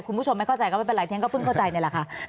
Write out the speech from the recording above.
คุณผู้ชมไม่เข้าใจก็ไม่เป็นไรที่ฉันก็เพิ่งเข้าใจนี่แหละค่ะ